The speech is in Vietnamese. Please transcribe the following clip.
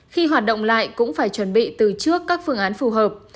khi hoạt động lại cũng phải chuẩn bị từ trước các phương án phù hợp